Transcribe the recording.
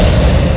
aku sudah menang